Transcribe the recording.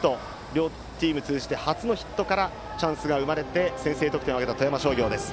両チーム通じて初のヒットからチャンスが生まれて先制得点を挙げた、富山商業です。